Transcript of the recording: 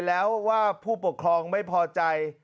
แล้วว่าผู้ปกครองไม่พอใจ